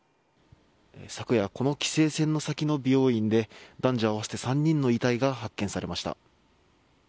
昨夜、この規制線の先の美容院で男女合わせて３人の遺体が発見されました。